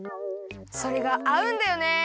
それがあうんだよね！